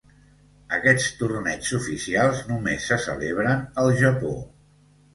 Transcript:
Aquests torneigs oficials només se celebren al Japó.